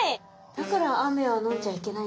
「だから雨は飲んじゃいけない」。